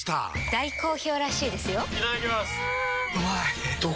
大好評らしいですよんうまい！